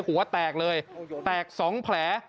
หัวแตกเลยแตก๒แผล